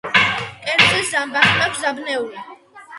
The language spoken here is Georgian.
მკერდზე ზამბახი მაქვს დაბნეული.